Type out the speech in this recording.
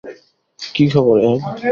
কী খবর, অ্যাব?